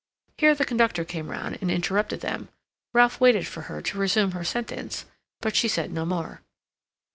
Here the conductor came round, and interrupted them. Ralph waited for her to resume her sentence, but she said no more.